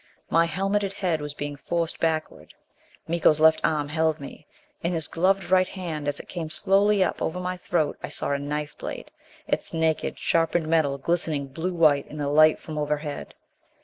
My helmeted head was being forced backward; Miko's left arm held me. In his gloved right hand as it came slowly up over my throat I saw a knife blade, its naked, sharpened metal glistening blue white in the light from overhead.